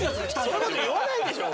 そんな事言わないでしょう